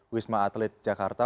wisma atlet jakarta